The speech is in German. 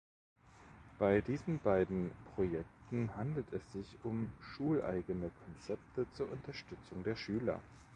Bei diesen beiden Projekten handelt sich um schuleigene Konzepte zur Unterstützung der Schüler.